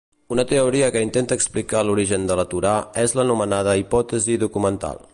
Una teoria que intenta explicar l'origen de la Torà és l'anomenada hipòtesi documental.